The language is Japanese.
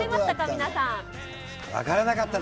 皆さん。